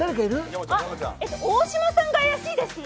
大島さんが怪しいですね。